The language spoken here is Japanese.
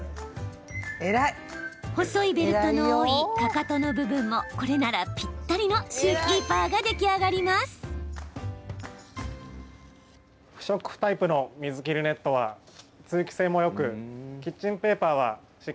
細いベルトの多いかかとの部分もこれならぴったりのシューキーパーが出来上がります。